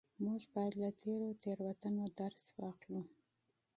موږ بايد له تېرو تېروتنو درس واخلو.